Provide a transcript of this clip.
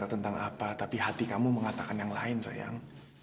tentang apa tapi hati kamu mengatakan yang lain sayang